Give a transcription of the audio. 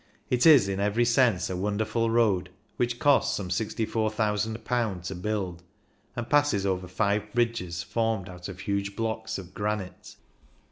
It is in every sense a wonderful road, which cost some ;^64,ooo to build, and passes over five bridges formed out of huge blocks of granite.